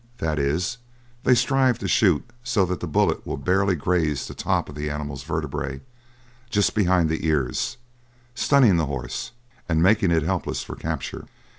That is, they strive to shoot so that the bullet will barely graze the top of the animal's vertebrae, just behind the ears, stunning the horse and making it helpless for the capture.